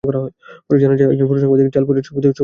পরে জানা যায়, একজন ফটো সাংবাদিক জাল পরিয়ে দিয়ে ছবি তুলেছিলেন।